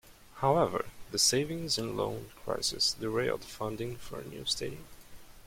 However, the savings and loan crisis derailed funding for a new stadium.